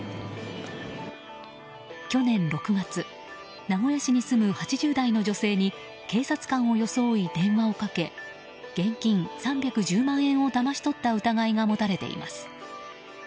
去年６月、名古屋市に住む８０代の女性に警察官を装い、電話をかけ現金３１０万円をだまし取った疑いが持たれています。